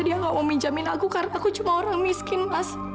dia gak mau minjamin aku karena aku cuma orang miskin mas